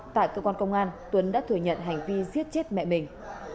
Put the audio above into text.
tại cơ quan công an tuấn đã thừa nhận hành vi giết chết mẹ mình